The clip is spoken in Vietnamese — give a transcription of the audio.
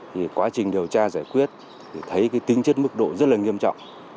thì quá trình điều tra giải quyết thì thấy cái tính chất mức độ rất là nghiêm trọng